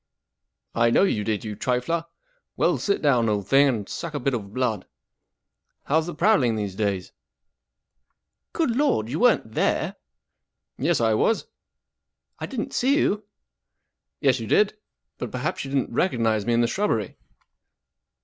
44 I know you did, you trifler. Well, sit down, old thing, and suck a bit of blood. How's the prowling these day's ?" 44 Good Lord ! You weren't there !" 44 Yes, I was." 44 I didn't see you." 44 Yes, you did. But perhaps you didn't recognize me in the shrubbery."